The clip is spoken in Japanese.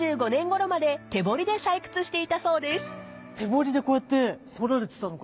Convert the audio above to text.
手掘りでこうやって掘られてたのかしら。